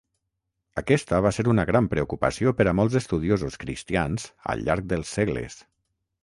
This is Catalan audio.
Aquesta va ser una gran preocupació per a molts estudiosos cristians al llarg dels segles.